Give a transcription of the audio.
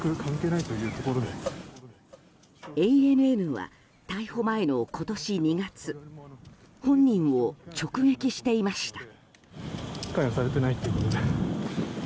ＡＮＮは逮捕前の今年２月本人を直撃していました。